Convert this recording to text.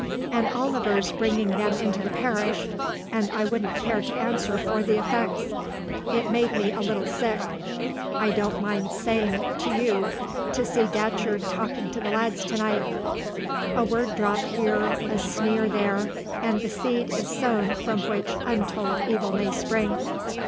And Oliver's bringing them into the parish, and I wouldn't care to answer for the effects.... It made me a little sick, I don't mind saying to you, to see Datcherd talking to the lads to night; a word dropped here, a sneer there, and the seed is sown from which untold evil may spring.